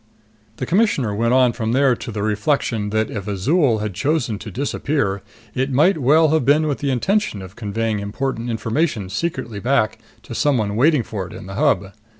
The Commissioner went on from there to the reflection that if Azol had chosen to disappear, it might well have been with the intention of conveying important information secretly back to somebody waiting for it in the Hub.